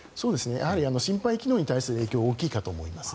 やはり心肺機能に対する影響大きいかと思います。